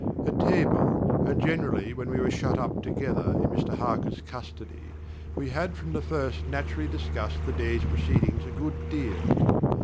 At table, and generally when we were shut up together in Mr Harker's custody, we had from the first naturally discussed the day's proceedings a good deal.